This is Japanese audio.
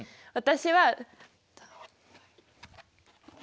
私は。